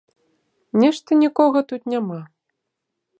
Нешта нікога тут няма!